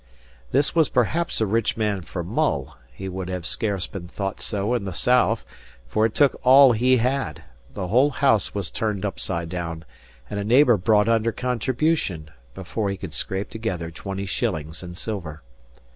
This was perhaps a rich man for Mull; he would have scarce been thought so in the south; for it took all he had the whole house was turned upside down, and a neighbour brought under contribution, before he could scrape together twenty shillings in silver.